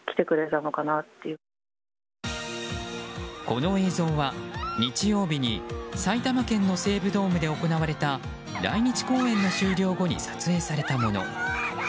この映像は日曜日に埼玉県の西武ドームで行われた来日公演の終了後に撮影されたもの。